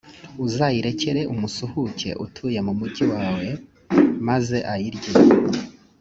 uzayirekere umusuhuke utuye mu mugi wawe, maze ayirye;